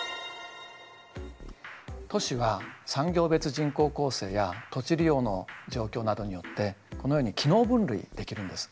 都市は産業別人口構成や土地利用の状況などによってこのように機能分類できるんです。